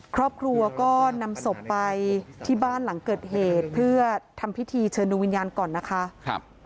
ครอบครัวก็นำศพไปที่บ้านหลังเกิดเหตุเพื่อทำพิธีเชิญดูวิญญาณก่อนนะคะ